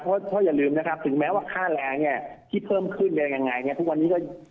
เพราะอย่าลืมนะครับถึงแม้ว่าค่าแรงที่เพิ่มขึ้นเป็นยังไง